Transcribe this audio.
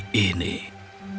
kuda itu menangkap kuda malang